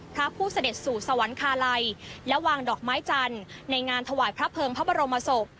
พระผู้เสด็จสู่สวรรคาลัยและวางดอกไม้จันทร์ในงานถวายพระเภิงพระบรมศพ